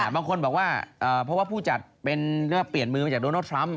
บางคนบอกว่าเพราะว่าผู้จัดเป็นเปลี่ยนมือมาจากโดนัลดทรัมป